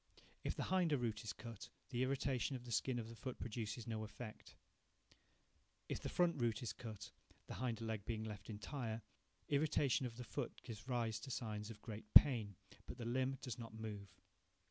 If the hinder root is cut, the irritation of the skin of the foot produces no effect. If the front root is cut, the hinder being left entire, irritation of the foot gives rise to signs of great pain, but the limb does not move.